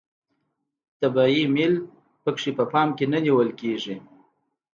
طبیعي میل پکې په پام کې نه نیول کیږي.